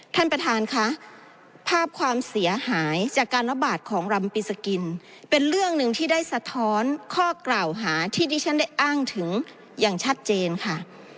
ท่านประธานค่ะภาพความเสียหายจากการระบาดของรำปีสกินเป็นเรื่องหนึ่งที่ได้สะท้อนข้อกล่าวหาที่ที่ฉันได้อ้างถึงอย่างชัดเจนค่ะ